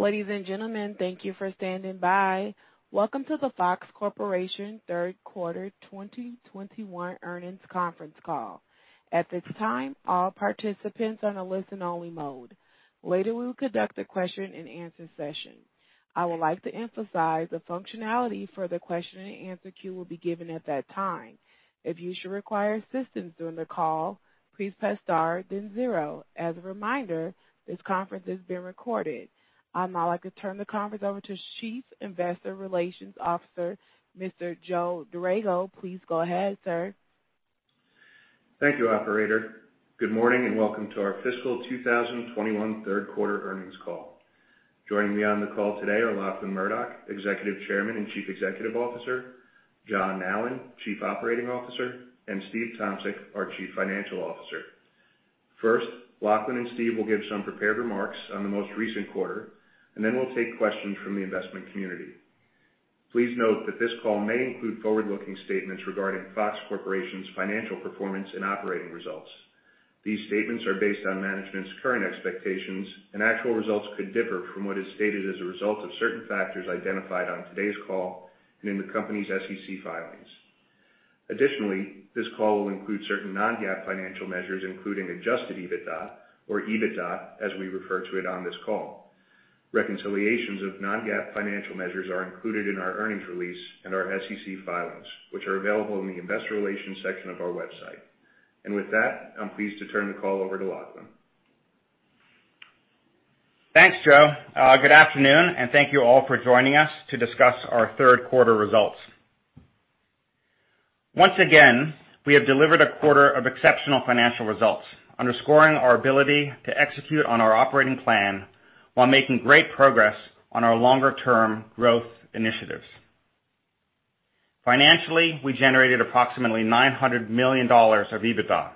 Ladies and gentlemen, thank you for standing by. Welcome to the Fox Corporation third quarter 2021 earnings conference call. At this time our participants are in listen-only mode. Later, we will conduct a question and answer session. I would like to emphasize the functionality for the question and answer queue will be given at that time. If you should require assistance during the call, please press star then zero. As a reminder this conference is being recorded. I'd now like to turn the conference over to Chief Investor Relations Officer, Mr. Joe Dorrego. Please go ahead, sir. Thank you, operator. Good morning and welcome to our fiscal 2021 third quarter earnings call. Joining me on the call today are Lachlan Murdoch, Executive Chairman and Chief Executive Officer, John Nallen, Chief Operating Officer, and Steve Tomsic, our Chief Financial Officer. First, Lachlan and Steve will give some prepared remarks on the most recent quarter, and then we will take questions from the investment community. Please note that this call may include forward-looking statements regarding Fox Corporation's financial performance and operating results. These statements are based on management's current expectations, and actual results could differ from what is stated as a result of certain factors identified on today's call and in the company's SEC filings. Additionally, this call will include certain non-GAAP financial measures, including adjusted EBITDA, or EBITDA, as we refer to it on this call. Reconciliations of non-GAAP financial measures are included in our earnings release and our SEC filings, which are available in the investor relations section of our website. With that, I'm pleased to turn the call over to Lachlan. Thanks, Joe. Good afternoon, and thank you all for joining us to discuss our third quarter results. Once again, we have delivered a quarter of exceptional financial results, underscoring our ability to execute on our operating plan while making great progress on our longer-term growth initiatives. Financially, we generated approximately $900 million of EBITDA,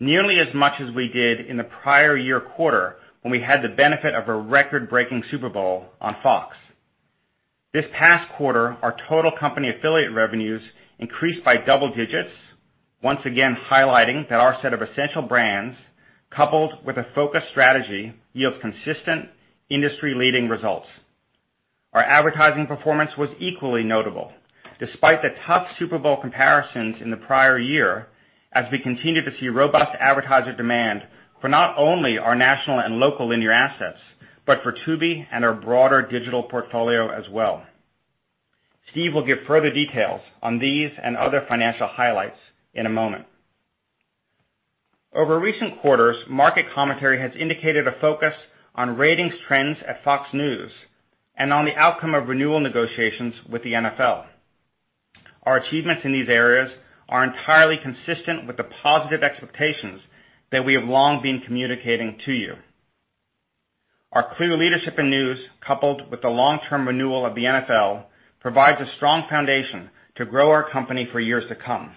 nearly as much as we did in the prior year quarter when we had the benefit of a record-breaking Super Bowl on Fox. This past quarter, our total company affiliate revenues increased by double digits, once again highlighting that our set of essential brands, coupled with a focused strategy, yield consistent industry-leading results. Our advertising performance was equally notable despite the tough Super Bowl comparisons in the prior year, as we continued to see robust advertiser demand for not only our national and local linear assets, but for Tubi and our broader digital portfolio as well. Steve will give further details on these and other financial highlights in a moment. Over recent quarters, market commentary has indicated a focus on ratings trends at Fox News and on the outcome of renewal negotiations with the NFL. Our achievements in these areas are entirely consistent with the positive expectations that we have long been communicating to you. Our clear leadership in news, coupled with the long-term renewal of the NFL, provides a strong foundation to grow our company for years to come.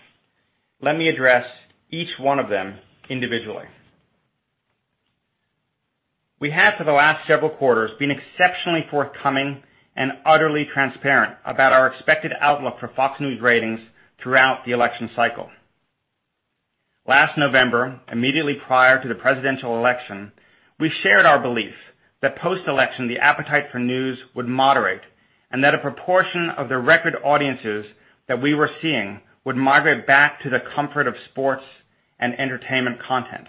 Let me address each one of them individually. We have, for the last several quarters, been exceptionally forthcoming and utterly transparent about our expected outlook for Fox News ratings throughout the election cycle. Last November, immediately prior to the presidential election, we shared our belief that post-election, the appetite for news would moderate, and that a proportion of the record audiences that we were seeing would migrate back to the comfort of sports and entertainment content.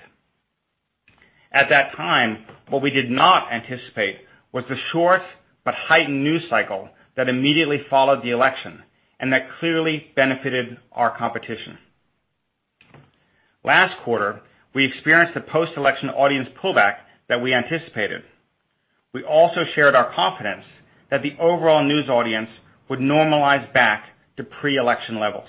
At that time, what we did not anticipate was the short but heightened news cycle that immediately followed the election and that clearly benefited our competition. Last quarter, we experienced the post-election audience pullback that we anticipated. We also shared our confidence that the overall news audience would normalize back to pre-election levels.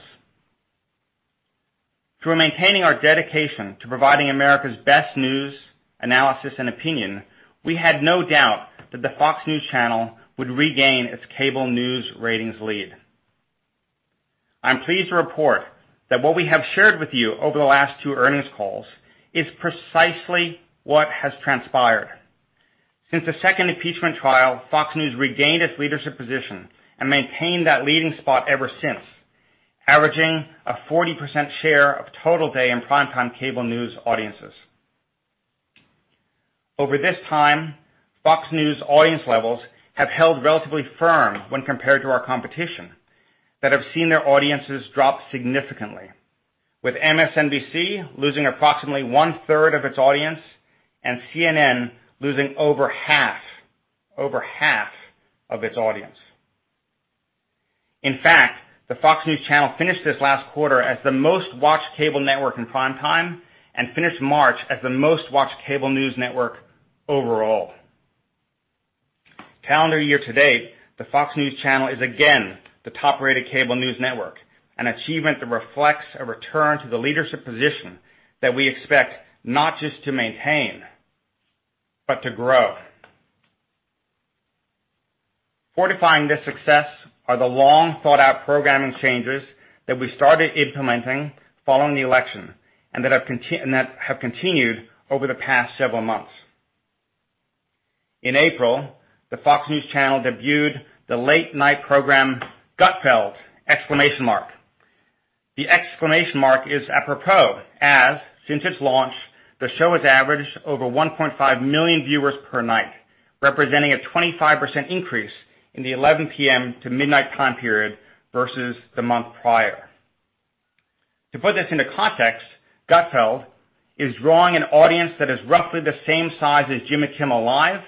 Through maintaining our dedication to providing America's best news, analysis, and opinion, we had no doubt that the Fox News Channel would regain its cable news ratings lead. I'm pleased to report that what we have shared with you over the last two earnings calls is precisely what has transpired. Since the second impeachment trial, Fox News regained its leadership position and maintained that leading spot ever since, averaging a 40% share of total day and primetime cable news audiences. Over this time, Fox News audience levels have held relatively firm when compared to our competition that have seen their audiences drop significantly, with MSNBC losing approximately 1/3 of its audience and CNN losing over half of its audience. In fact, the Fox News Channel finished this last quarter as the most-watched cable network in primetime and finished March as the most-watched cable news network overall. Calendar year to date, the Fox News Channel is again the top-rated cable news network, an achievement that reflects a return to the leadership position that we expect not just to maintain, but to grow. Fortifying this success are the long-thought-out programming changes that we started implementing following the election and that have continued over the past several months. In April, the Fox News Channel debuted the late-night program, "Gutfeld!" The exclamation mark is apropos, as since its launch, the show has averaged over 1.5 million viewers per night, representing a 25% increase in the 11:00 P.M. to midnight time period versus the month prior. To put this into context, Gutfeld is drawing an audience that is roughly the same size as "Jimmy Kimmel Live!"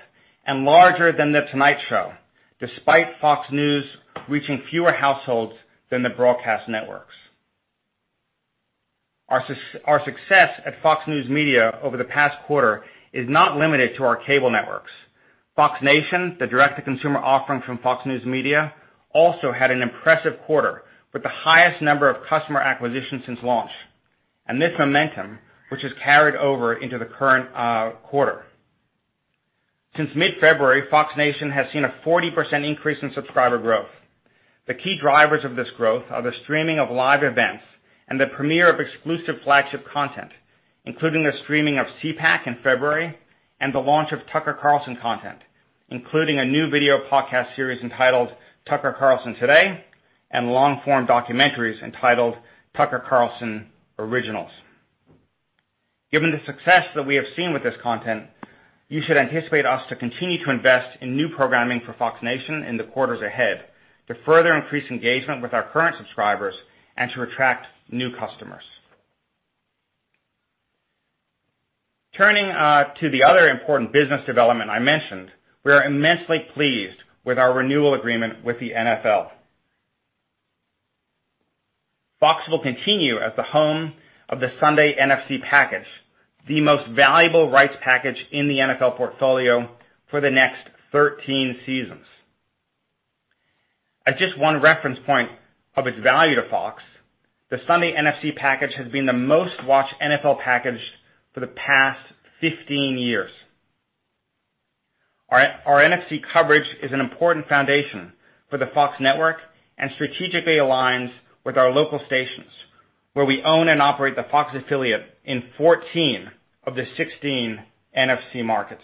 and larger than "The Tonight Show," despite Fox News reaching fewer households than the broadcast networks. Our success at Fox News Media over the past quarter is not limited to our cable networks. Fox Nation, the direct-to-consumer offering from Fox News Media, also had an impressive quarter with the highest number of customer acquisitions since launch and this momentum, which has carried over into the current quarter. Since mid-February, Fox Nation has seen a 40% increase in subscriber growth. The key drivers of this growth are the streaming of live events and the premiere of exclusive flagship content, including the streaming of CPAC in February and the launch of Tucker Carlson content, including a new video podcast series entitled "Tucker Carlson Today" and long-form documentaries entitled "Tucker Carlson Originals." Given the success that we have seen with this content, you should anticipate us to continue to invest in new programming for Fox Nation in the quarters ahead to further increase engagement with our current subscribers and to attract new customers. Turning to the other important business development I mentioned, we are immensely pleased with our renewal agreement with the NFL. Fox will continue as the home of the Sunday NFC package, the most valuable rights package in the NFL portfolio for the next 13 seasons. As just one reference point of its value to Fox, the Sunday NFC package has been the most watched NFL package for the past 15 years. Our NFC coverage is an important foundation for the Fox network and strategically aligns with our local stations, where we own and operate the Fox affiliate in 14 of the 16 NFC markets.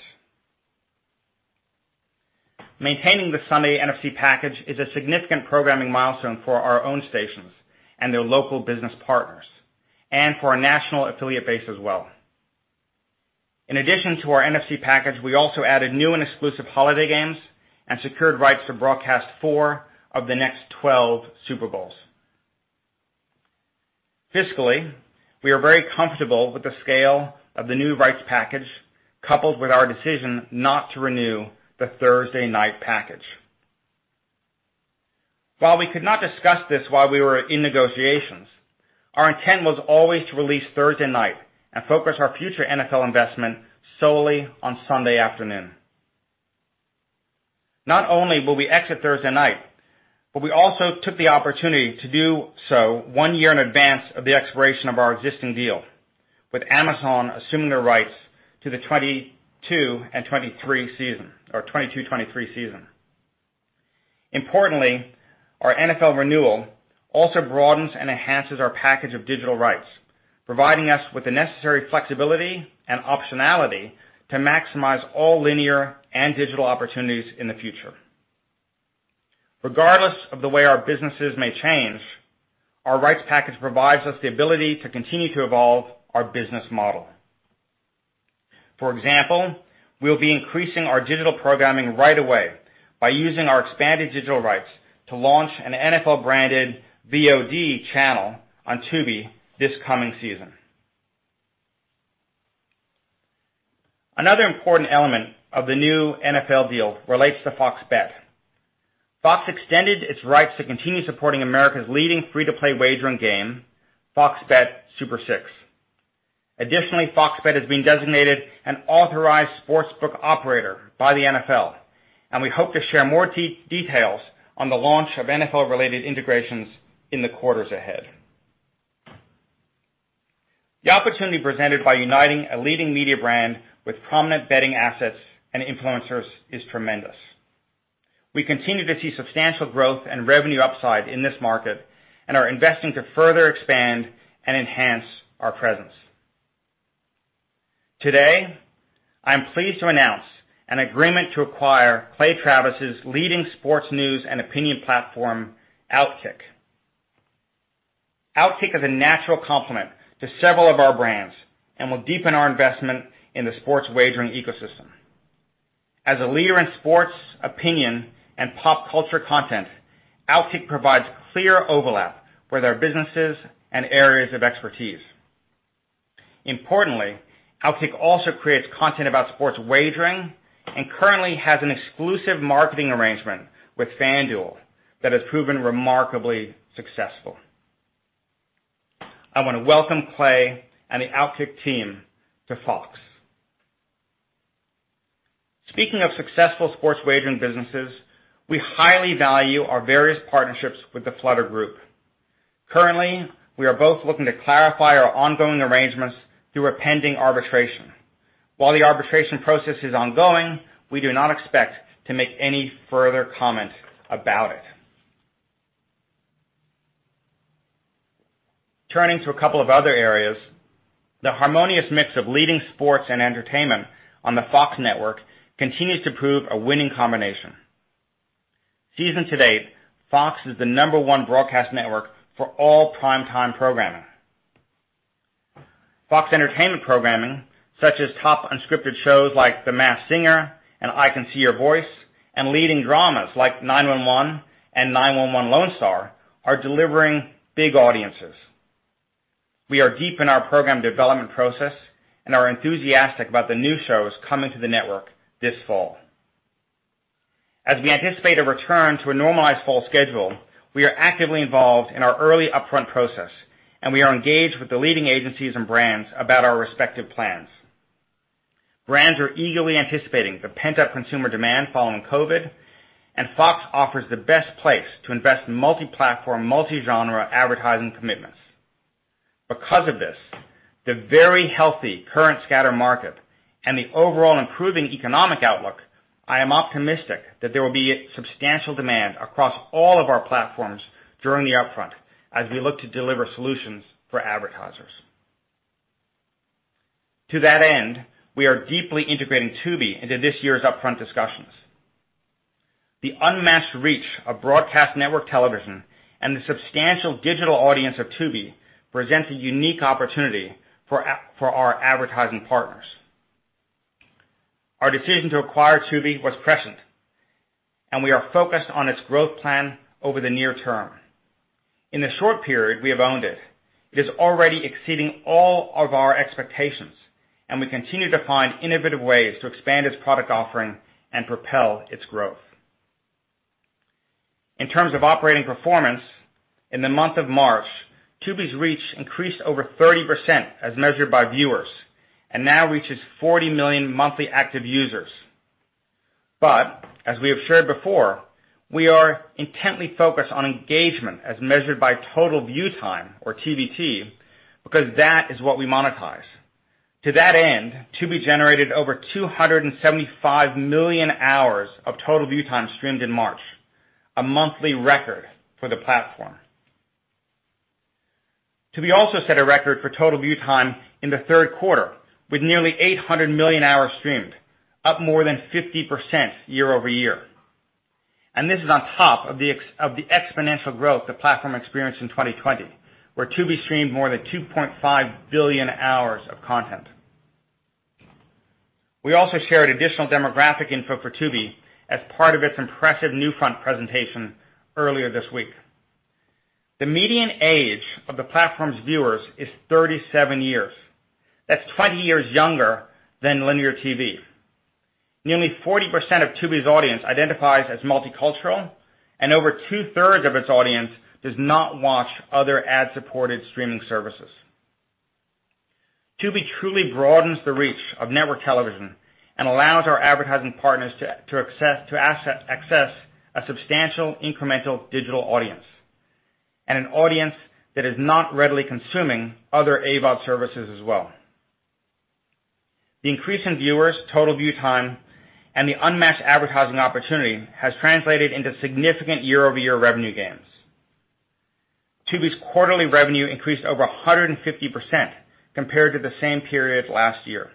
Maintaining the Sunday NFC package is a significant programming milestone for our own stations and their local business partners, and for our national affiliate base as well. In addition to our NFC package, we also added new and exclusive holiday games and secured rights to broadcast four of the next 12 Super Bowls. Fiscally, we are very comfortable with the scale of the new rights package, coupled with our decision not to renew the Thursday night package. While we could not discuss this while we were in negotiations, our intent was always to release Thursday Night and focus our future NFL investment solely on Sunday afternoon. Not only will we exit Thursday Night, but we also took the opportunity to do so one year in advance of the expiration of our existing deal, with Amazon assuming the rights to the 2022 and 2023 season, or 2022, 2023 season. Importantly, our NFL renewal also broadens and enhances our package of digital rights, providing us with the necessary flexibility and optionality to maximize all linear and digital opportunities in the future. Regardless of the way our businesses may change, our rights package provides us the ability to continue to evolve our business model. For example, we'll be increasing our digital programming right away by using our expanded digital rights to launch an NFL-branded VOD channel on Tubi this coming season. Another important element of the new NFL deal relates to FOX Bet. Fox extended its rights to continue supporting America's leading free-to-play wagering game, FOX Bet Super 6. Additionally, FOX Bet has been designated an authorized sportsbook operator by the NFL, and we hope to share more details on the launch of NFL-related integrations in the quarters ahead. The opportunity presented by uniting a leading media brand with prominent betting assets and influencers is tremendous. We continue to see substantial growth and revenue upside in this market and are investing to further expand and enhance our presence. Today, I am pleased to announce an agreement to acquire Clay Travis' leading sports news and opinion platform, OutKick. OutKick is a natural complement to several of our brands and will deepen our investment in the sports wagering ecosystem. As a leader in sports opinion and pop culture content, OutKick provides clear overlap with our businesses and areas of expertise. Importantly, OutKick also creates content about sports wagering and currently has an exclusive marketing arrangement with FanDuel that has proven remarkably successful. I want to welcome Clay and the OutKick team to Fox. Speaking of successful sports wagering businesses, we highly value our various partnerships with the Flutter group. Currently, we are both looking to clarify our ongoing arrangements through a pending arbitration. While the arbitration process is ongoing, we do not expect to make any further comment about it. Turning to a couple of other areas, the harmonious mix of leading sports and entertainment on the Fox Network continues to prove a winning combination. Season to date, Fox is the number one broadcast network for all primetime programming. Fox Entertainment programming, such as top unscripted shows like "The Masked Singer" and "I Can See Your Voice," and leading dramas like "9-1-1" and "9-1-1: Lone Star" are delivering big audiences. We are deep in our program development process and are enthusiastic about the new shows coming to the network this fall. As we anticipate a return to a normalized fall schedule, we are actively involved in our early upfront process, and we are engaged with the leading agencies and brands about our respective plans. Brands are eagerly anticipating the pent-up consumer demand following COVID, and Fox offers the best place to invest in multi-platform, multi-genre advertising commitments. Because of this, the very healthy current scatter market and the overall improving economic outlook, I am optimistic that there will be substantial demand across all of our platforms during the upfront as we look to deliver solutions for advertisers. To that end, we are deeply integrating Tubi into this year's upfront discussions. The unmatched reach of broadcast network television and the substantial digital audience of Tubi presents a unique opportunity for our advertising partners. Our decision to acquire Tubi was prescient, and we are focused on its growth plan over the near term. In the short period we have owned it is already exceeding all of our expectations, and we continue to find innovative ways to expand its product offering and propel its growth. In terms of operating performance, in the month of March, Tubi's reach increased over 30% as measured by viewers, and now reaches 40 million monthly active users. As we have shared before, we are intently focused on engagement as measured by total view time, or TVT, because that is what we monetize. To that end, Tubi generated over 275 million hours of total view time streamed in March, a monthly record for the platform. Tubi also set a record for total view time in the third quarter, with nearly 800 million hours streamed, up more than 50% year-over-year. This is on top of the exponential growth the platform experienced in 2020, where Tubi streamed more than 2.5 billion hours of content. We also shared additional demographic info for Tubi as part of its impressive NewFront presentation earlier this week. The median age of the platform's viewers is 37 years. That's 20 years younger than linear TV. Nearly 40% of Tubi's audience identifies as multicultural, and over two-thirds of its audience does not watch other ad-supported streaming services. Tubi truly broadens the reach of network television and allows our advertising partners to access a substantial incremental digital audience, and an audience that is not readily consuming other AVOD services as well. The increase in viewers, total view time, and the unmatched advertising opportunity has translated into significant year-over-year revenue gains. Tubi's quarterly revenue increased over 150% compared to the same period last year.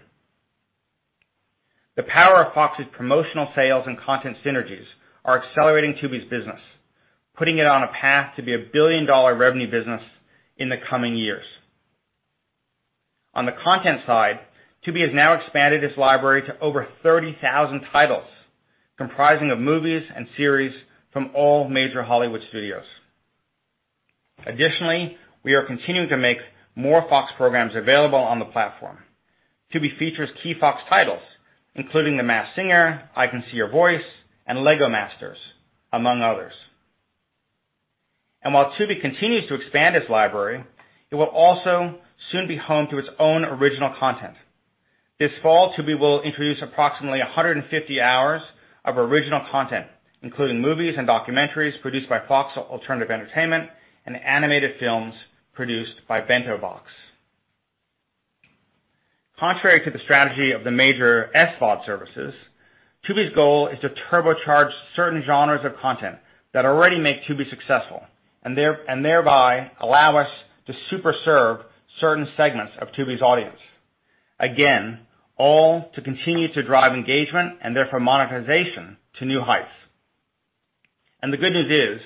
The power of Fox's promotional sales and content synergies are accelerating Tubi's business, putting it on a path to be a billion-dollar revenue business in the coming years. On the content side, Tubi has now expanded its library to over 30,000 titles, comprising of movies and series from all major Hollywood studios. Additionally, we are continuing to make more Fox programs available on the platform. Tubi features key Fox titles, including "The Masked Singer," "I Can See Your Voice," and "LEGO Masters," among others. While Tubi continues to expand its library, it will also soon be home to its own original content. This fall, Tubi will introduce approximately 150 hours of original content, including movies and documentaries produced by Fox Alternative Entertainment and animated films produced by Bento Box. Contrary to the strategy of the major SVOD services, Tubi's goal is to turbocharge certain genres of content that already make Tubi successful, and thereby allow us to super serve certain segments of Tubi's audience. Again, all to continue to drive engagement and therefore monetization to new heights. The good news is,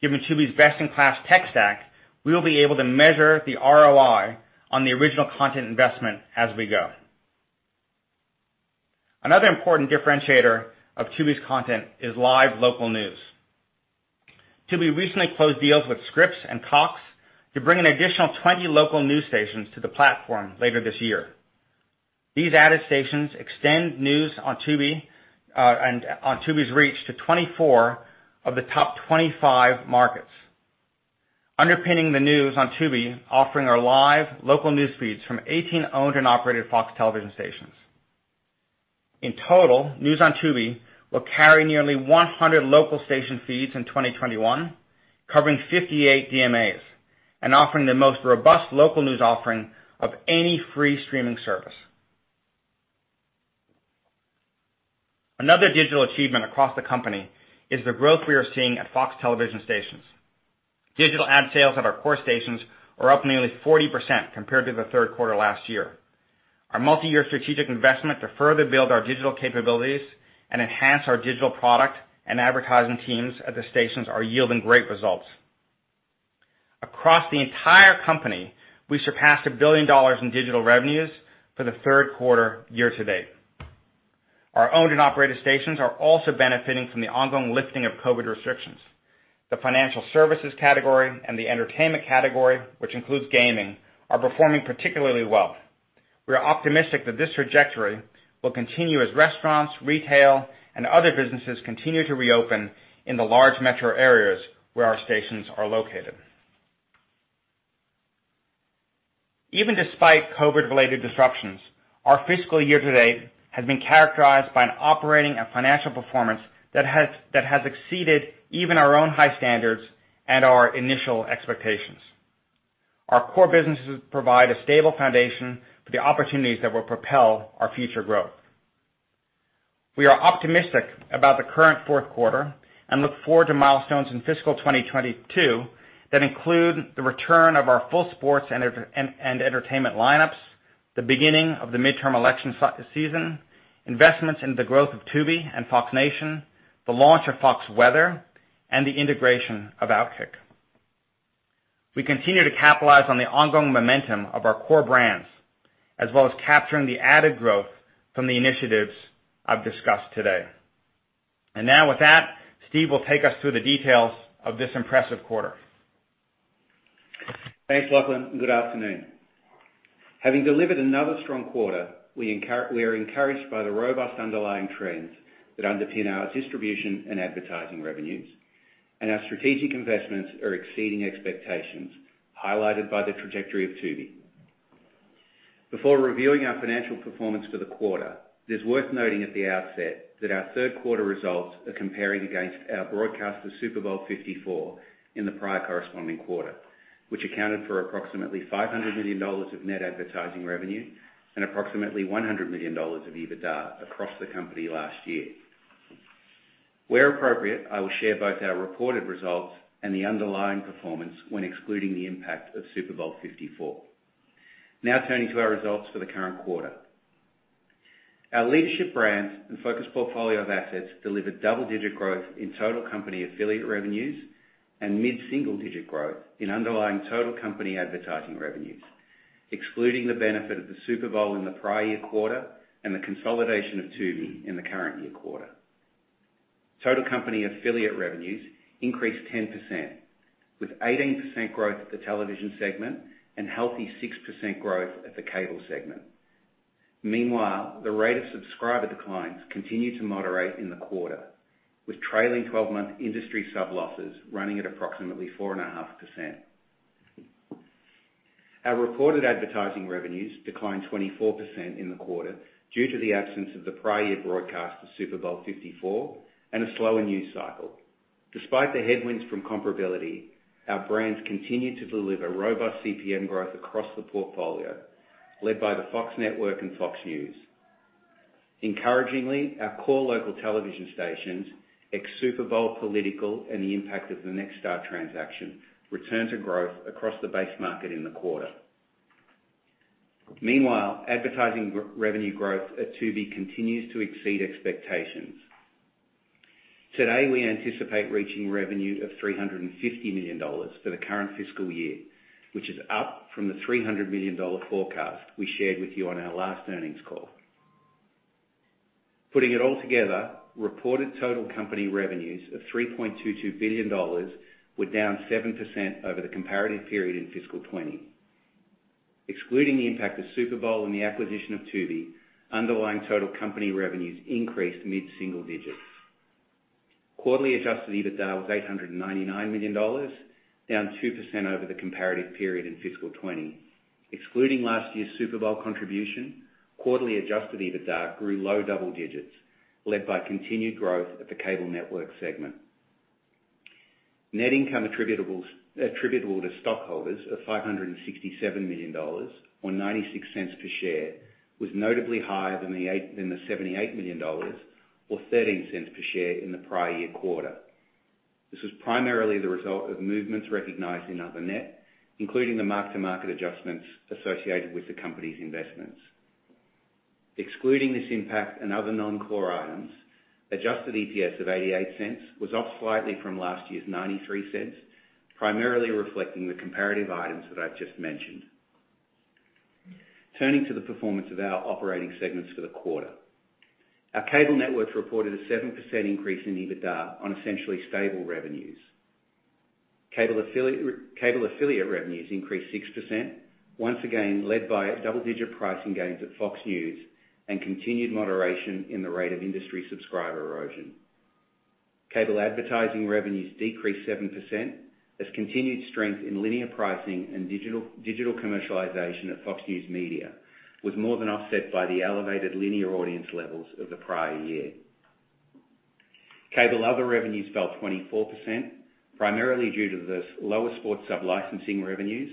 given Tubi's best-in-class tech stack, we will be able to measure the ROI on the original content investment as we go. Another important differentiator of Tubi's content is live local news. Tubi recently closed deals with Scripps and Cox to bring an additional 20 local news stations to the platform later this year. These added stations extend news on Tubi's reach to 24 of the top 25 markets. Underpinning the news on Tubi offering are live local news feeds from 18 owned and operated Fox television stations. In total, news on Tubi will carry nearly 100 local station feeds in 2021, covering 58 DMAs, and offering the most robust local news offering of any free streaming service. Another digital achievement across the company is the growth we are seeing at Fox television stations. Digital ad sales at our core stations are up nearly 40% compared to the third quarter last year. Our multi-year strategic investment to further build our digital capabilities and enhance our digital product and advertising teams at the stations are yielding great results. Across the entire company, we surpassed $1 billion in digital revenues for the third quarter year-to-date. Our owned and operated stations are also benefiting from the ongoing lifting of COVID restrictions. The financial services category and the entertainment category, which includes gaming, are performing particularly well. We are optimistic that this trajectory will continue as restaurants, retail, and other businesses continue to reopen in the large metro areas where our stations are located. Even despite COVID-related disruptions, our fiscal year to date has been characterized by an operating and financial performance that has exceeded even our own high standards and our initial expectations. Our core businesses provide a stable foundation for the opportunities that will propel our future growth. We are optimistic about the current fourth quarter and look forward to milestones in fiscal 2022 that include the return of our full sports and entertainment lineups, the beginning of the midterm election season, investments in the growth of Tubi and Fox Nation, the launch of Fox Weather, and the integration of OutKick. We continue to capitalize on the ongoing momentum of our core brands, as well as capturing the added growth from the initiatives I've discussed today. Now with that, Steve will take us through the details of this impressive quarter. Thanks, Lachlan. Good afternoon. Having delivered another strong quarter, we are encouraged by the robust underlying trends that underpin our distribution and advertising revenues, and our strategic investments are exceeding expectations, highlighted by the trajectory of Tubi. Before reviewing our financial performance for the quarter, it is worth noting at the outset that our third quarter results are comparing against our broadcast of Super Bowl LIV in the prior corresponding quarter, which accounted for approximately $500 million of net advertising revenue and approximately $100 million of EBITDA across the company last year. Where appropriate, I will share both our reported results and the underlying performance when excluding the impact of Super Bowl LIV. Now turning to our results for the current quarter. Our leadership brands and focused portfolio of assets delivered double-digit growth in total company affiliate revenues and mid-single digit growth in underlying total company advertising revenues, excluding the benefit of the Super Bowl in the prior year quarter and the consolidation of Tubi in the current year quarter. Total company affiliate revenues increased 10%, with 18% growth at the television segment and healthy 6% growth at the cable segment. Meanwhile, the rate of subscriber declines continued to moderate in the quarter, with trailing 12-month industry sub losses running at approximately 4.5%. Our reported advertising revenues declined 24% in the quarter due to the absence of the prior year broadcast of Super Bowl LIV and a slower news cycle. Despite the headwinds from comparability, our brands continued to deliver robust CPM growth across the portfolio, led by the Fox network and Fox News. Encouragingly, our core local television stations, ex Super Bowl political and the impact of the Nexstar transaction, returned to growth across the base market in the quarter. Advertising revenue growth at Tubi continues to exceed expectations. Today, we anticipate reaching revenue of $350 million for the current fiscal year, which is up from the $300 million forecast we shared with you on our last earnings call. Putting it all together, reported total company revenues of $3.22 billion were down 7% over the comparative period in fiscal 2020. Excluding the impact of Super Bowl and the acquisition of Tubi, underlying total company revenues increased mid-single digits. Quarterly adjusted EBITDA was $899 million, down 2% over the comparative period in fiscal 2020. Excluding last year's Super Bowl contribution, quarterly adjusted EBITDA grew low double digits, led by continued growth at the cable network segment. Net income attributable to stockholders of $567 million, or $0.96 per share, was notably higher than the $78 million or $0.13 per share in the prior year quarter. This was primarily the result of movements recognized in other net, including the mark-to-market adjustments associated with the company's investments. Excluding this impact and other non-core items, adjusted EPS of $0.88 was off slightly from last year's $0.93, primarily reflecting the comparative items that I've just mentioned. Turning to the performance of our operating segments for the quarter. Our cable networks reported a 7% increase in EBITDA on essentially stable revenues. Cable affiliate revenues increased 6%, once again led by double-digit pricing gains at Fox News and continued moderation in the rate of industry subscriber erosion. Cable advertising revenues decreased 7% as continued strength in linear pricing and digital commercialization at Fox News Media was more than offset by the elevated linear audience levels of the prior year. Cable other revenues fell 24%, primarily due to the lower sports sub-licensing revenues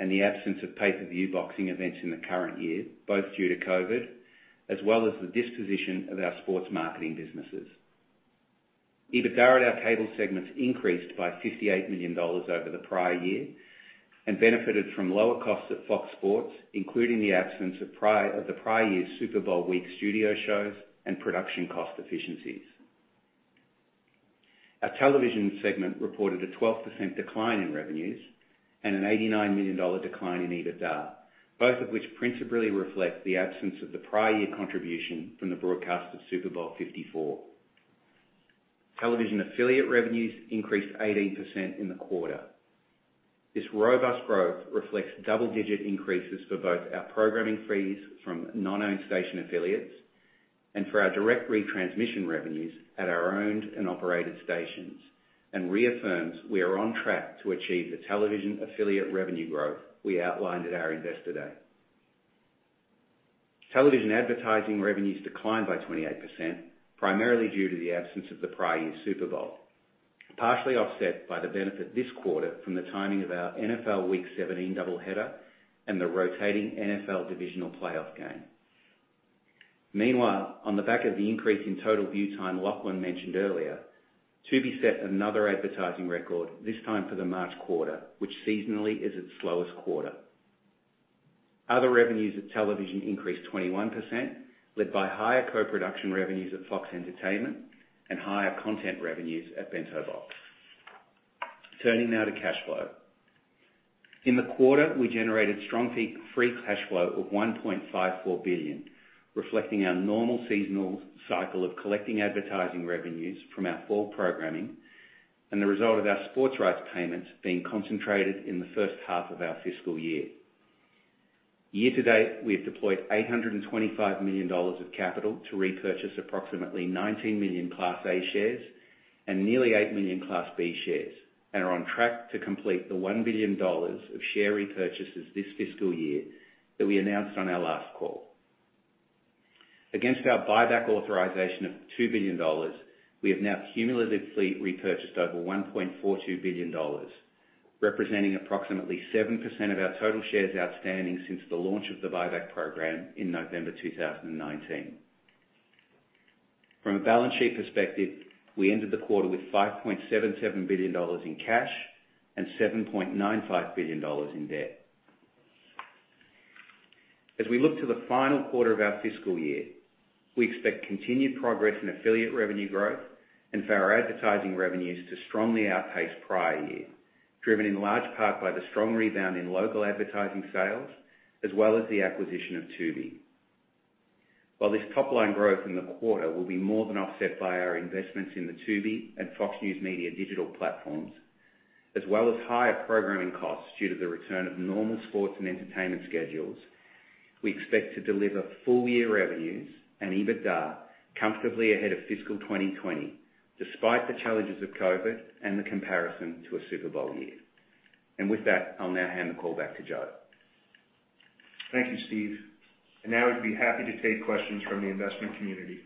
and the absence of pay-per-view boxing events in the current year, both due to COVID, as well as the disposition of our sports marketing businesses. EBITDA at our Cable segments increased by $58 million over the prior year and benefited from lower costs at Fox Sports, including the absence of the prior year's Super Bowl week studio shows and production cost efficiencies. Our television segment reported a 12% decline in revenues and an $89 million decline in EBITDA, both of which principally reflect the absence of the prior year contribution from the broadcast of Super Bowl LIV. Television affiliate revenues increased 18% in the quarter. This robust growth reflects double-digit increases for both our programming fees from non-owned station affiliates and for our direct retransmission revenues at our owned-and-operated stations and reaffirms we are on track to achieve the television affiliate revenue growth we outlined at our Investor Day. Television advertising revenues declined by 28%, primarily due to the absence of the prior year's Super Bowl, partially offset by the benefit this quarter from the timing of our NFL Week 17 double header and the rotating NFL divisional playoff game. On the back of the increase in total view time Lachlan mentioned earlier, Tubi set another advertising record, this time for the March quarter, which seasonally is its slowest quarter. Other revenues at television increased 21%, led by higher co-production revenues at Fox Entertainment and higher content revenues at Bento Box. Turning now to cash flow. In the quarter, we generated strong free cash flow of $1.54 billion, reflecting our normal seasonal cycle of collecting advertising revenues from our fall programming and the result of our sports rights payments being concentrated in the first half of our fiscal year. Year to date, we have deployed $825 million of capital to repurchase approximately 19 million Class A shares and nearly eight million Class B shares and are on track to complete the $1 billion of share repurchases this fiscal year that we announced on our last call. Against our buyback authorization of $2 billion, we have now cumulatively repurchased over $1.42 billion, representing approximately 7% of our total shares outstanding since the launch of the buyback program in November 2019. From a balance sheet perspective, we ended the quarter with $5.77 billion in cash and $7.95 billion in debt. As we look to the final quarter of our fiscal year, we expect continued progress in affiliate revenue growth and for our advertising revenues to strongly outpace prior year, driven in large part by the strong rebound in local advertising sales, as well as the acquisition of Tubi. While this top-line growth in the quarter will be more than offset by our investments in the Tubi and Fox News Media digital platforms, as well as higher programming costs due to the return of normal sports and entertainment schedules, we expect to deliver full-year revenues and EBITDA comfortably ahead of fiscal 2020, despite the challenges of COVID and the comparison to a Super Bowl year. With that, I'll now hand the call back to Joe. Thank you, Steve. Now we'd be happy to take questions from the investment community.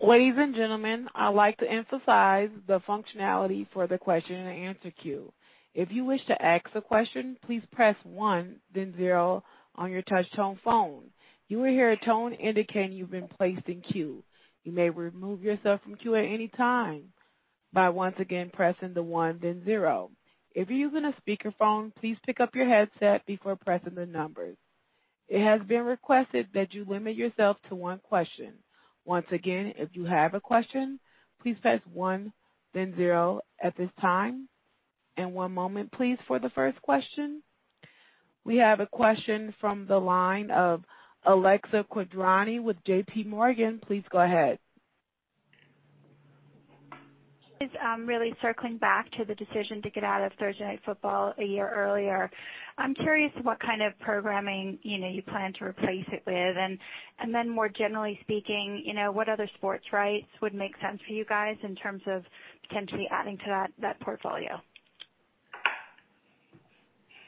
Ladies and gentlemen I would like to emphasize the functionality for the question and answer queue. If you wish to ask a question, please press one then zero on your touch-tone phone. You will hear a tone indicate you've been place in queue. You can remove yourself from the queue anytime by once again pressing the one then zero. If you're on speaker phone, please pick up your handset before pressing the numbers. It has been requested that you limit yourself to one questions. Once again if you have a question please press one then zero. One moment please for the first question. We have a question from the line of Alexia Quadrani with J.P. Morgan. Please go ahead. Just really circling back to the decision to get out of Thursday Night Football a year earlier. I'm curious what kind of programming you plan to replace it with, and then more generally speaking, what other sports rights would make sense for you guys in terms of potentially adding to that portfolio?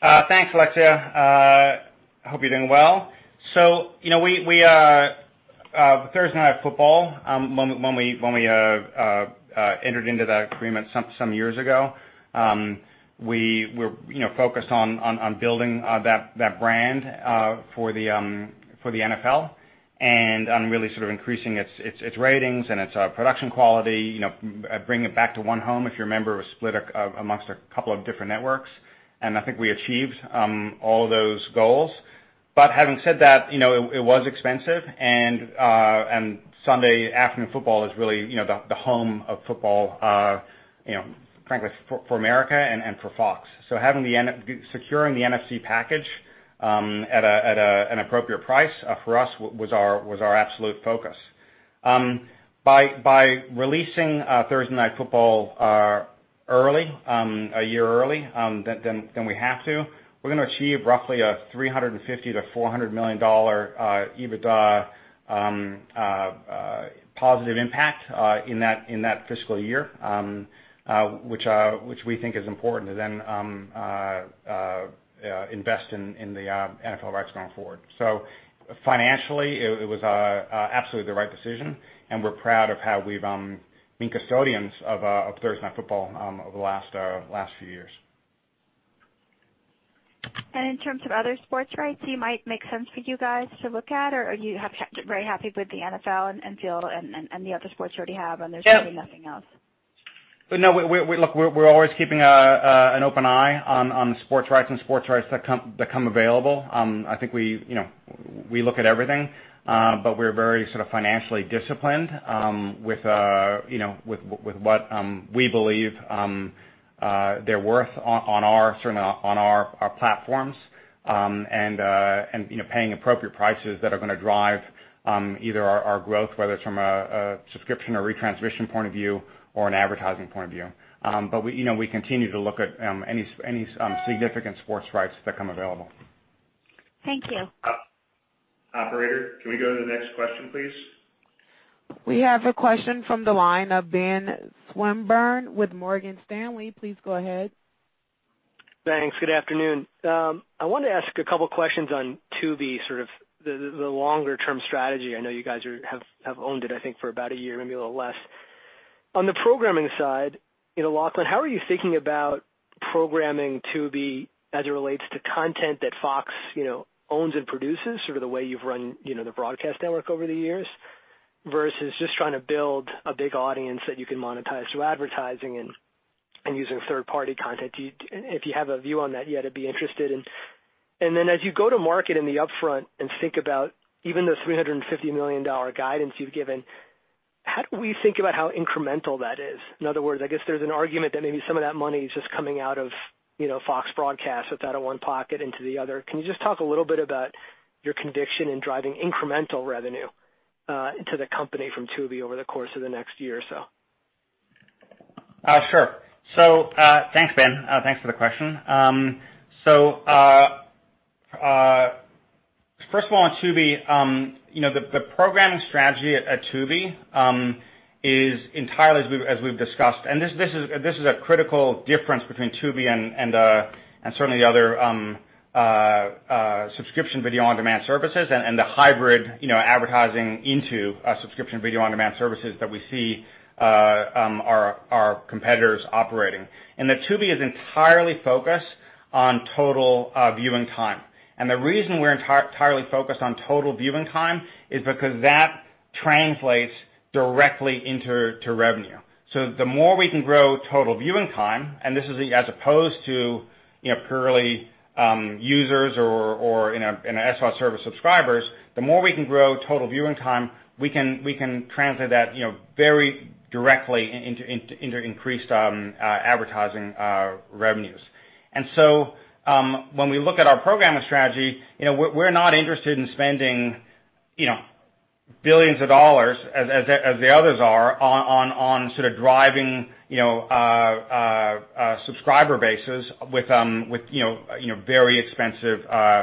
Thanks, Alexia. Hope you're doing well. Thursday Night Football, when we entered into that agreement some years ago, we were focused on building that brand for the NFL and on really sort of increasing its ratings and its production quality, bringing it back to one home. If you remember, it was split amongst a couple of different networks, and I think we achieved all of those goals. Having said that, it was expensive, and Sunday afternoon football is really the home of football, frankly, for America and for Fox. Securing the NFC package at an appropriate price for us was our absolute focus. By releasing Thursday Night Football a year early than we have to, we're going to achieve roughly a $350 million-$400 million EBITDA positive impact in that fiscal year, which we think is important to then invest in the NFL rights going forward. Financially, it was absolutely the right decision, and we're proud of how we've been custodians of Thursday Night Football over the last few years. In terms of other sports rights, it might make sense for you guys to look at? Are you very happy with the NFL and FanDuel and the other sports you already have, and there's really nothing else? No. Look, we're always keeping an open eye on sports rights and sports rights that come available. I think we look at everything. We're very financially disciplined with what we believe they're worth on our platforms, and paying appropriate prices that are going to drive either our growth, whether it's from a subscription or retransmission point of view or an advertising point of view. We continue to look at any significant sports rights that come available. Thank you. Operator, can we go to the next question, please? We have a question from the line of Benjamin Swinburne with Morgan Stanley. Please go ahead. Thanks. Good afternoon. I wanted to ask a couple of questions on Tubi, sort of the longer term strategy. I know you guys have owned it, I think, for about a year, maybe a little less. On the programming side, Lachlan, how are you thinking about programming Tubi as it relates to content that Fox owns and produces, sort of the way you've run the broadcast network over the years, versus just trying to build a big audience that you can monetize through advertising and using third-party content? If you have a view on that yet, I'd be interested in. As you go to market in the upfront and think about even the $350 million guidance you've given, how do we think about how incremental that is? In other words, I guess there's an argument that maybe some of that money is just coming out of Fox Broadcast with that in one pocket into the other. Can you just talk a little bit about your conviction in driving incremental revenue to the company from Tubi over the course of the next year or so? Sure. Thanks, Ben. Thanks for the question. First of all, on Tubi, the programming strategy at Tubi is entirely as we've discussed, and this is a critical difference between Tubi and certainly other subscription video-on-demand services and the hybrid advertising into a subscription video-on-demand services that we see our competitors operating. That Tubi is entirely focused on total viewing time. The reason we're entirely focused on total viewing time is because that translates directly into revenue. The more we can grow total viewing time, and this is as opposed to purely users or in a SVOD service subscribers, the more we can grow total viewing time, we can translate that very directly into increased advertising revenues. When we look at our programming strategy, we're not interested in spending billions of dollars as the others are on sort of driving subscriber bases with very expensive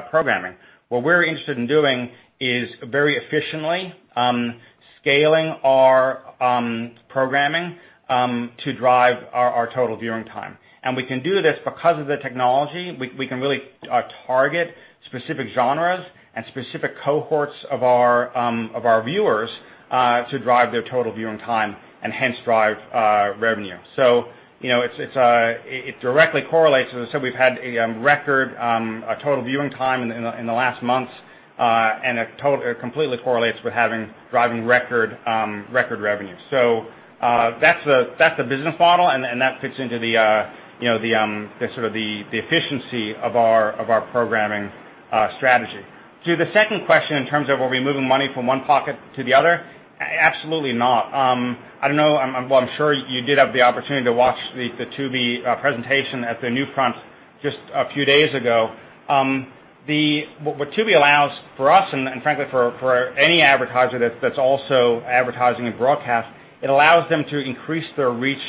programming. What we're interested in doing is very efficiently scaling our programming to drive our total viewing time. We can do this because of the technology. We can really target specific genres and specific cohorts of our viewers to drive their total viewing time and hence drive revenue. It directly correlates. As I said, we've had a record total viewing time in the last months, and it completely correlates with driving record revenue. That's the business model, and that fits into the sort of the efficiency of our programming strategy. To the second question in terms of are we moving money from one pocket to the other, absolutely not. I don't know. I'm sure you did have the opportunity to watch the Tubi presentation at the NewFront just a few days ago. What Tubi allows for us and frankly for any advertiser that's also advertising in broadcast, it allows them to increase their reach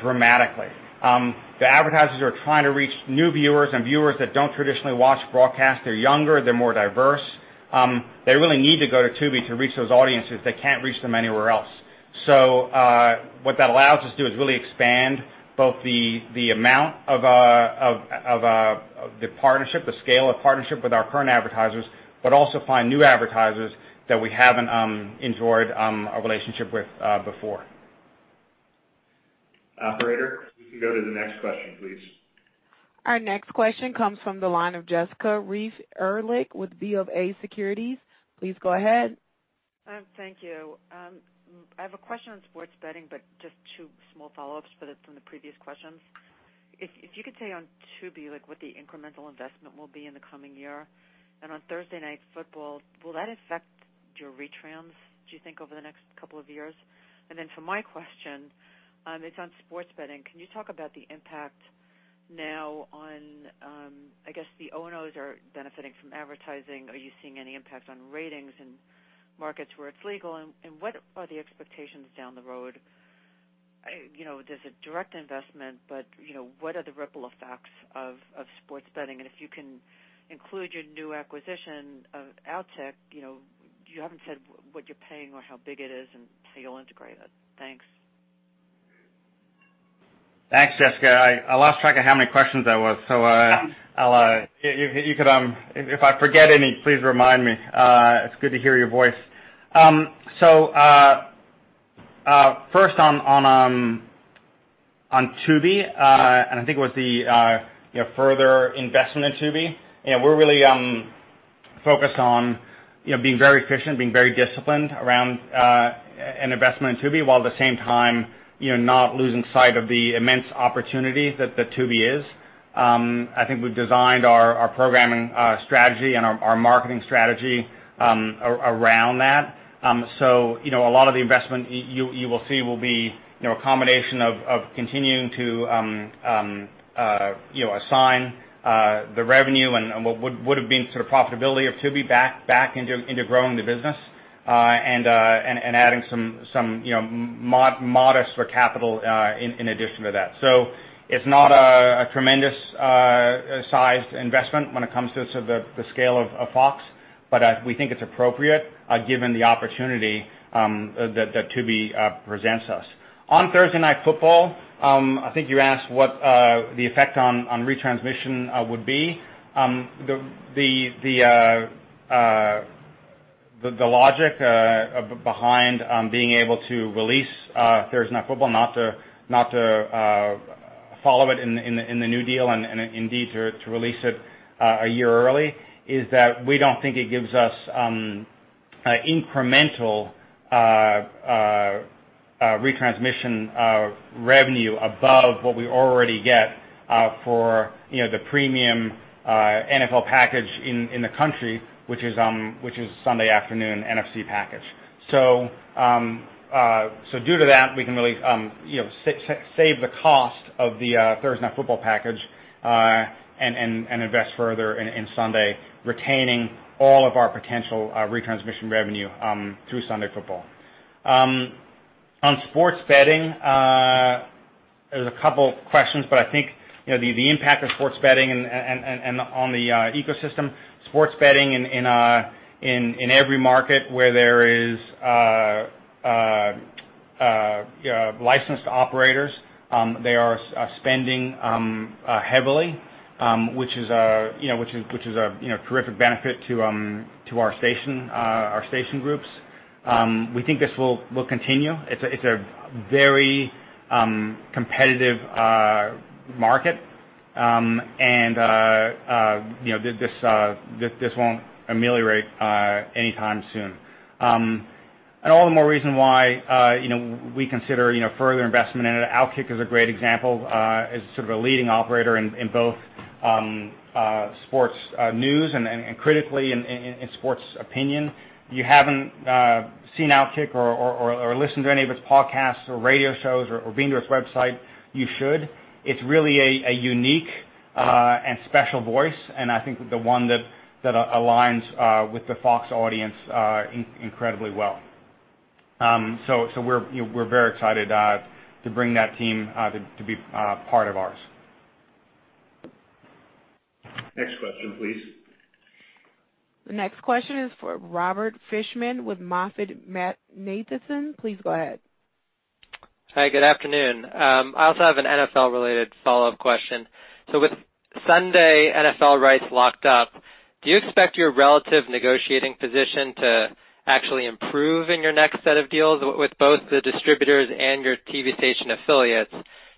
dramatically. The advertisers are trying to reach new viewers and viewers that don't traditionally watch broadcast. They're younger. They're more diverse. They really need to go to Tubi to reach those audiences. They can't reach them anywhere else. What that allows us to do is really expand both the amount of the partnership, the scale of partnership with our current advertisers, but also find new advertisers that we haven't enjoyed a relationship with before. Operator, we can go to the next question, please. Our next question comes from the line of Jessica Reif Ehrlich with BofA Securities. Please go ahead. Thank you. I have a question on sports betting, but just two small follow-ups from the previous questions. If you could say on Tubi, like what the incremental investment will be in the coming year. On Thursday Night Football, will that affect your retrans, do you think, over the next couple of years? For my question, it's on sports betting. Can you talk about the impact now on, I guess the O&Os are benefiting from advertising. Are you seeing any impact on ratings in markets where it's legal? What are the expectations down the road? There's a direct investment, but what are the ripple effects of sports betting? If you can include your new acquisition of OutKick, you haven't said what you're paying or how big it is and how you'll integrate it. Thanks. Thanks, Jessica. I lost track of how many questions that was. If I forget any, please remind me. It's good to hear your voice. First on Tubi, and I think it was the further investment in Tubi. We're really focused on being very efficient, being very disciplined around an investment in Tubi, while at the same time, not losing sight of the immense opportunity that Tubi is. I think we've designed our programming strategy and our marketing strategy around that. A lot of the investment you will see will be a combination of continuing to assign the revenue and what would've been profitability of Tubi back into growing the business, and adding some modest capital in addition to that. It's not a tremendous sized investment when it comes to the scale of Fox, but we think it's appropriate given the opportunity that Tubi presents us. On Thursday Night Football, I think you asked what the effect on retransmission would be. The logic behind being able to release Thursday Night Football, not to follow it in the new deal and indeed to release it a year early, is that we don't think it gives us incremental retransmission revenue above what we already get for the premium NFL package in the country, which is Sunday afternoon NFC package. Due to that, we can really save the cost of the Thursday Night Football package, and invest further in Sunday, retaining all of our potential retransmission revenue through Sunday football. On sports betting, there's a couple questions, but I think the impact of sports betting on the ecosystem. Sports betting in every market where there is licensed operators, they are spending heavily, which is a terrific benefit to our station groups. We think this will continue. It's a very competitive market. This won't ameliorate anytime soon. All the more reason why we consider further investment in it. OutKick is a great example as sort of a leading operator in both sports news and critically in sports opinion. If you haven't seen OutKick or listened to any of its podcasts or radio shows or been to its website, you should. It's really a unique and special voice, and I think the one that aligns with the Fox audience incredibly well. We're very excited to bring that team to be part of ours. Next question, please. The next question is for Robert Fishman with MoffettNathanson. Please go ahead. Hi, good afternoon. I also have an NFL-related follow-up question. With Sunday NFL rights locked up, do you expect your relative negotiating position to actually improve in your next set of deals with both the distributors and your TV station affiliates,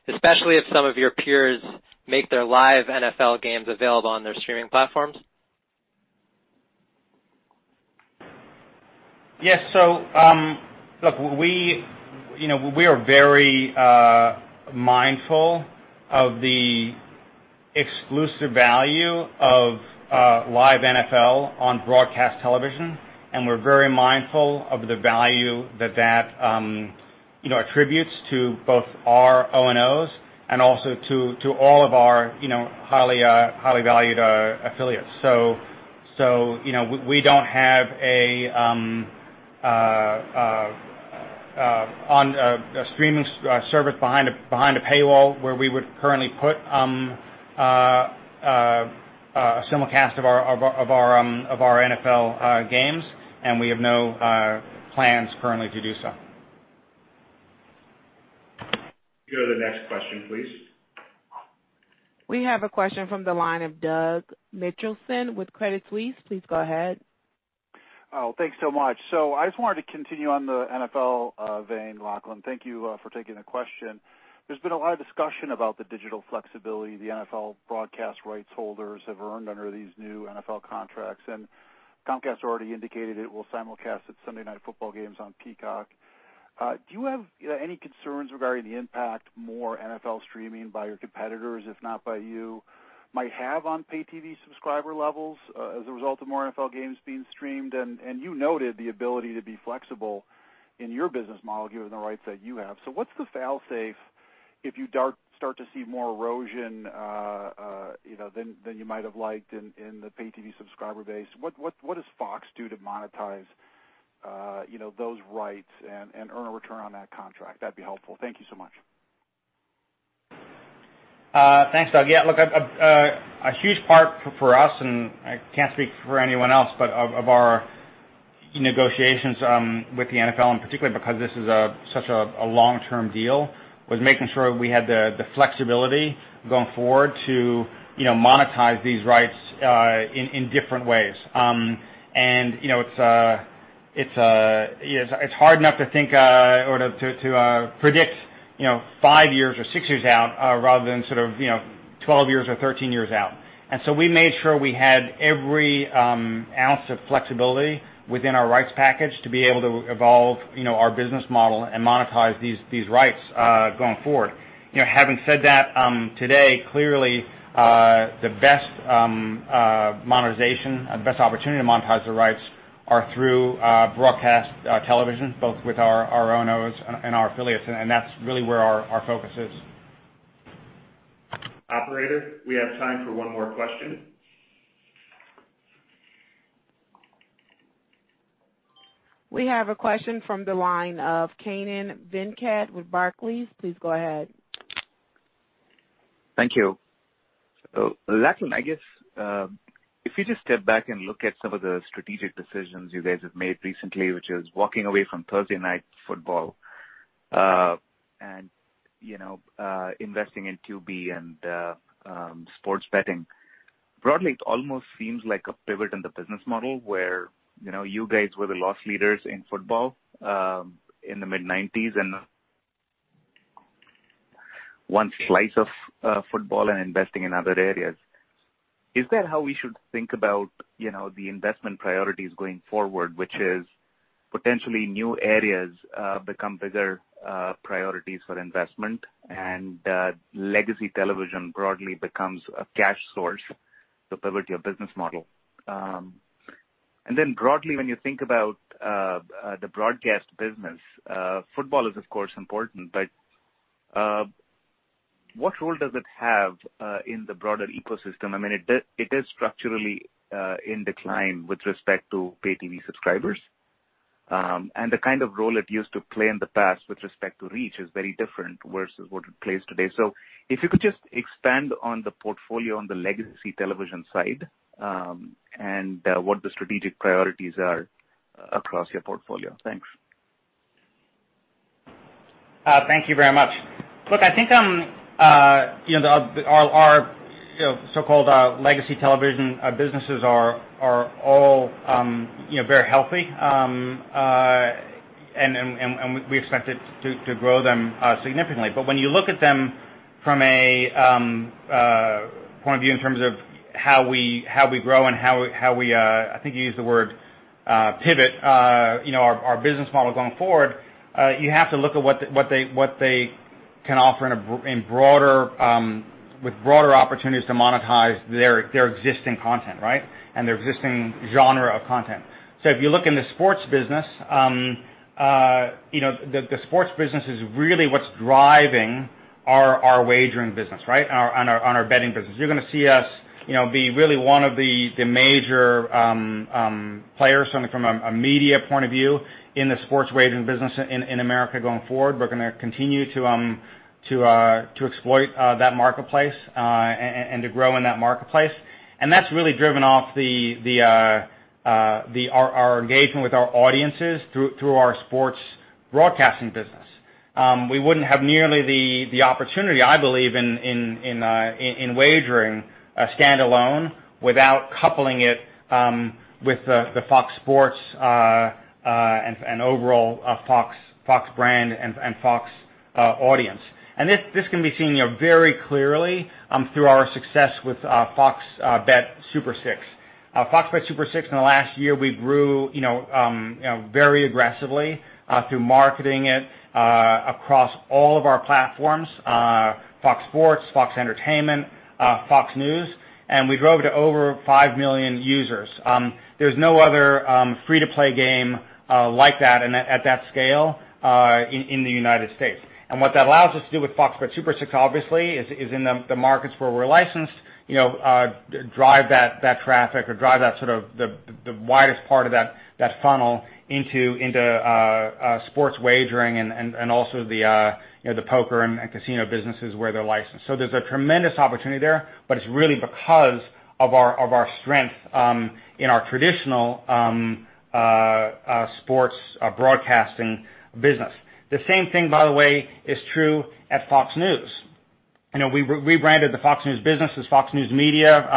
especially if some of your peers make their live NFL games available on their streaming platforms? Yes. Look, we are very mindful of the exclusive value of live NFL on broadcast television, and we're very mindful of the value that attributes to both our O&Os and also to all of our highly valued affiliates. We don't have a streaming service behind a paywall where we would currently put a simulcast of our NFL games, and we have no plans currently to do so. Go to the next question, please. We have a question from the line of Doug Mitchelson with Credit Suisse. Please go ahead. Oh, thanks so much. I just wanted to continue on the NFL vein, Lachlan. Thank you for taking the question. There's been a lot of discussion about the digital flexibility the NFL broadcast rights holders have earned under these new NFL contracts. Comcast already indicated it will simulcast its Sunday Night Football games on Peacock. Do you have any concerns regarding the impact more NFL streaming by your competitors, if not by you, might have on pay TV subscriber levels as a result of more NFL games being streamed? You noted the ability to be flexible in your business model given the rights that you have. What's the fail-safe if you start to see more erosion than you might have liked in the pay TV subscriber base? What does Fox do to monetize those rights and earn a return on that contract? That'd be helpful. Thank you so much. Thanks, Doug. Yeah, look, a huge part for us, and I can't speak for anyone else, but of our negotiations with the NFL, and particularly because this is such a long-term deal, was making sure we had the flexibility going forward to monetize these rights in different ways. It's hard enough to think or to predict five years or six years out rather than 12 years or 13 years out. We made sure we had every ounce of flexibility within our rights package to be able to evolve our business model and monetize these rights going forward. Having said that, today, clearly, the best opportunity to monetize the rights are through broadcast television, both with our O&Os and our affiliates, and that's really where our focus is. Operator, we have time for one more question. We have a question from the line of Kannan Venkateshwar with Barclays. Please go ahead. Thank you. Lachlan, I guess, if you just step back and look at some of the strategic decisions you guys have made recently, which is walking away from Thursday Night Football, and investing in Tubi and sports betting. Broadly, it almost seems like a pivot in the business model where you guys were the loss leaders in football, in the mid-1990s and one slice of football and investing in other areas. Is that how we should think about the investment priorities going forward, which is potentially new areas become bigger priorities for investment and legacy television broadly becomes a cash source, the pivot of your business model? Then broadly, when you think about the broadcast business, football is of course important, but what role does it have in the broader ecosystem? It is structurally in decline with respect to pay TV subscribers. The kind of role it used to play in the past with respect to reach is very different versus what it plays today. If you could just expand on the portfolio on the legacy television side, and what the strategic priorities are across your portfolio. Thanks. Thank you very much. Look, I think our so-called legacy television businesses are all very healthy. We expect to grow them significantly. When you look at them from a point of view in terms of how we grow and how we, I think you used the word pivot our business model going forward, you have to look at what they can offer with broader opportunities to monetize their existing content. Their existing genre of content. If you look in the sports business, the sports business is really what's driving our wagering business. On our betting business. You're going to see us be really one of the major players from a media point of view in the sports wagering business in the U.S. going forward. We're going to continue to exploit that marketplace, and to grow in that marketplace. That's really driven off our engagement with our audiences through our sports broadcasting business. We wouldn't have nearly the opportunity, I believe, in wagering standalone without coupling it with the Fox Sports and overall Fox brand and Fox audience. This can be seen very clearly through our success with Fox Bet Super 6. Fox Bet Super 6 in the last year, we grew very aggressively through marketing it across all of our platforms, Fox Sports, Fox Entertainment, Fox News, and we drove it to over five million users. There's no other free-to-play game like that and at that scale in the U.S. What that allows us to do with Fox Bet Super 6, obviously, is in the markets where we're licensed, drive that traffic or drive the widest part of that funnel into sports wagering and also the poker and casino businesses where they're licensed. There's a tremendous opportunity there, but it's really because of our strength in our traditional sports broadcasting business. The same thing, by the way, is true at Fox News. We rebranded the Fox News business as Fox News Media,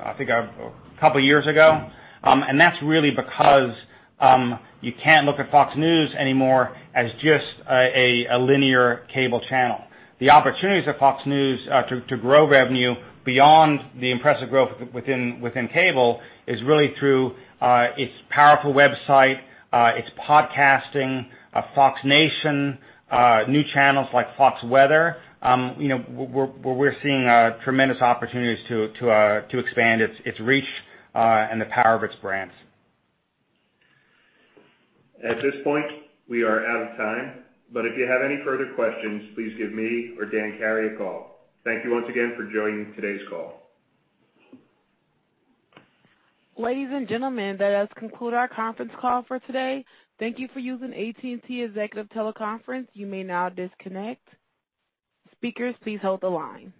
I think a couple of years ago. That's really because you can't look at Fox News anymore as just a linear cable channel. The opportunities at Fox News to grow revenue beyond the impressive growth within cable is really through its powerful website, its podcasting, Fox Nation, new channels like Fox Weather where we're seeing tremendous opportunities to expand its reach and the power of its brands. At this point, we are out of time, but if you have any further questions, please give me or Dan Carey a call. Thank you once again for joining today's call. Ladies and gentlemen, that does conclude our conference call for today. Thank you for using AT&T Executive Teleconference. You may now disconnect. Speakers, please hold the line.